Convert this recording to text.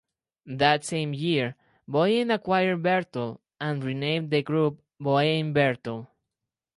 That same year Boeing acquired Vertol and renamed the group Boeing Vertol.